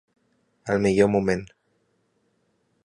Al millor moment.